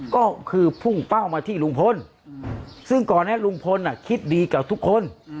ก็คือพุ่งเป้ามาที่ลุงพลซึ่งก่อนนั้นลุงพลคิดดีกับทุกคน